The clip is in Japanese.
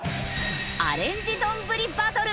アレンジ丼バトル。